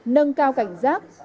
nâng cao cảnh giác